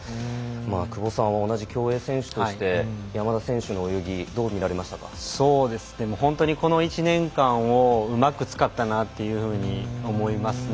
久保さんも同じ競泳選手として山田選手の泳ぎをこの１年間をうまく使ったなというように思いますね。